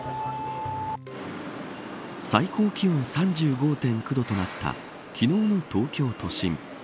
最高気温３５．９度となった昨日の東京都心。